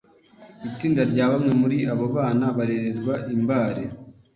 Itsinda rya bamwe muri abo bana barererwa i Mbare